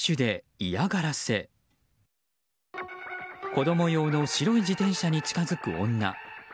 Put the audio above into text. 子供用の白い自転車に近づく女。